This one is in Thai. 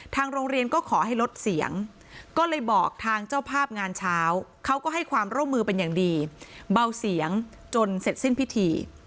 ทางโรงเรียนก็ขอให้ลดเสียงก็เลยบอกทางเจ้าภาพงานเช้าเขาก็ให้ความร่วมมือเป็นอย่างดีเบาเสียงจนเสร็จสิ้นพิธี